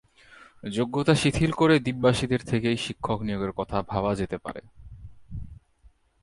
যোগ্যতা শিথিল করে দ্বীপবাসীদের থেকেই শিক্ষক নিয়োগের কথা ভাবা যেতে পারে।